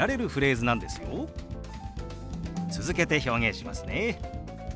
続けて表現しますね。